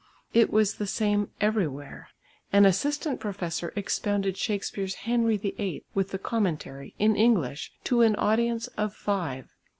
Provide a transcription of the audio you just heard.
It was the same everywhere. An assistant professor expounded Shakespeare's Henry VIII with the commentary, in English, to an audience of five.